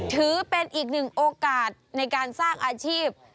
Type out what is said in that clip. ถือเป็นอีกหนึ่งโอกาสในการสร้างอาชีพ